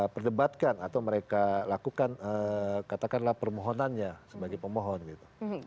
perdebatkan atau mereka lakukan katakanlah permohonannya sebagai pemohon gitu